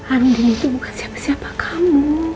andin itu bukan siapa siapa kamu